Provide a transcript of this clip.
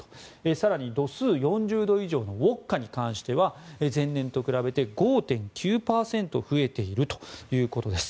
更に、度数４０度以上のウォッカに関しては前年と比べて５．９％増えているということです。